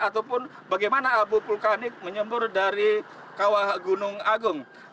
ataupun bagaimana abu vulkanik menyembur dari kawah gunung agung